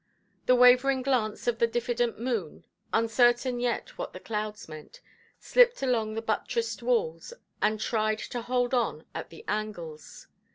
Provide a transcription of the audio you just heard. The wavering glance of the diffident moon, uncertain yet what the clouds meant, slipped along the buttressed walls, and tried to hold on at the angles.